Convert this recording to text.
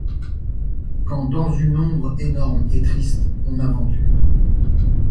Quand dans une ombre énorme et triste on aventure